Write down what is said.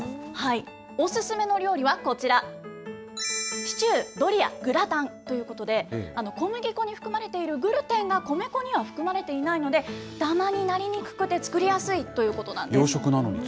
お勧めの料理はこちら、シチュー、ドリア、グラタンということで、小麦粉に含まれているグルテンが米粉には含まれていないので、だまになりにくくて、作りやすいということなんです。